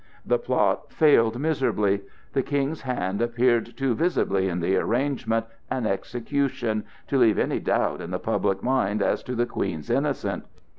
The plot failed miserably; the King's hand appeared too visibly in the arrangement and execution to leave any doubt in the public mind as to the Queen's innocence.